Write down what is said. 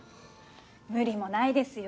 無理もないですよ。